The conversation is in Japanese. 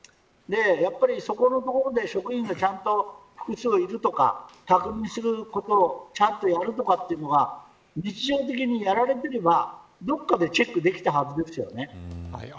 そこのところで職員がちゃんと複数いるとか確認することをちゃんとやるとかというのを日常的にやられていればどっかでチェックできたはずですよね。